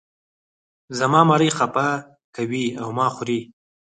زما مرۍ خپه کوې او ما خورې.